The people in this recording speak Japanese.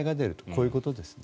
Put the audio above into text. こういうことですね。